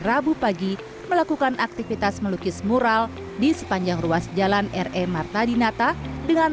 rabu pagi melakukan aktivitas melukis mural di sepanjang ruas jalan r e martadinata dengan